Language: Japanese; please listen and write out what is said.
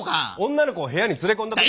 女の子を部屋に連れ込んだことが。